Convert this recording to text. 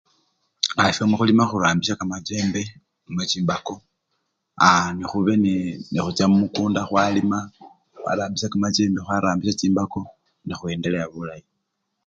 A! efwe mukhulima khurambisya kamachembe, namwe chimbako, aa! nekhube nekhucha mukunda khwalima khwarambista kamachembe khwarambisya chimbako, nekhu endelea bulayi.